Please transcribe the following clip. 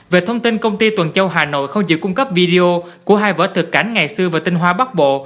về thông tin công ty tuần châu hà nội không giữ cung cấp video của hai vỡ thực cảnh ngày xưa và tinh hoa bắt bộ